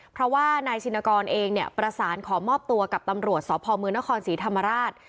เพราะว่านายชินกรเองเนี่ยประสานขอมอบตัวกับตำรวจสพมนครศรีธรรมราช